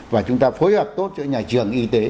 và chúng ta phối hợp tốt giữa nhà trường y tế